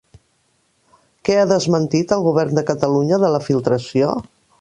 Què ha desmentit el govern de Catalunya de la filtració?